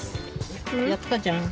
やったじゃん！